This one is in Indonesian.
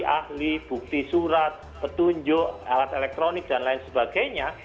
ahli bukti surat petunjuk alat elektronik dan lain sebagainya